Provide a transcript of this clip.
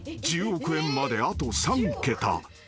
［１０億円まであと３桁］